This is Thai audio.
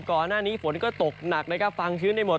ก่อนหน้านี้ฝนก็ตกหนักนะครับฟังชื้นได้หมด